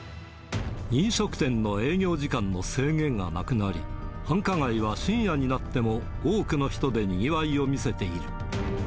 飲食店の営業時間の制限がなくなり、繁華街は深夜になっても多くの人でにぎわいを見せている。